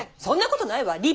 そんなことないわ。